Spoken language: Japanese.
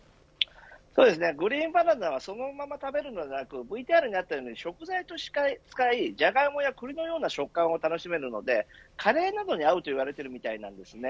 そうですね、グリーンバナナはそのまま食べるのではなくＶＴＲにあったように食材として使いジャガイモやクリのような食感を楽しめるのでカレーなどに合うと言われているみたいです。